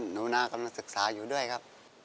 หนูนากำลังศึกษาอยู่ด้วยครับ